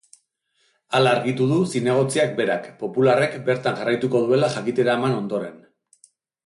Hala argitu du zinegotziak berak, popularrek bertan jarraituko duela jakitera eman ondoren.